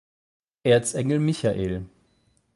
Erzengel Michael.